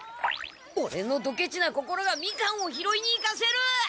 オレのドケチな心がみかんをひろいに行かせる！